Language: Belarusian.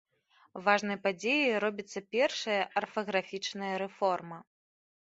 Важнай падзеяй робіцца першая арфаграфічная рэформа.